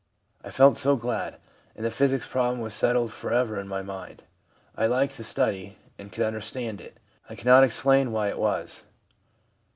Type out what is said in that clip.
I felt so glad ; and the physics problem was settled for ever in my mind. I liked the study, and could under stand it. I cannot explain why it was.'